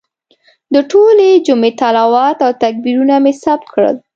د ټولې جمعې تلاوت او تکبیرونه مې ثبت کړل.